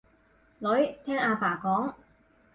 女，聽阿爸講